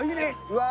うわ